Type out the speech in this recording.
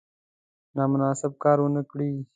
نامناسب کار ونه کړي.